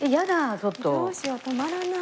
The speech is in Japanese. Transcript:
どうしよう止まらない。